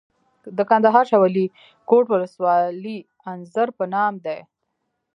د کندهار شاولیکوټ ولسوالۍ انځر په نام دي.